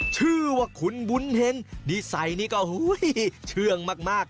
ชื่อว่าขุนบุญเห็งดีไซน์นี่ก็เชื่องมาก